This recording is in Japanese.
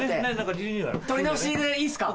とり直しでいいですか？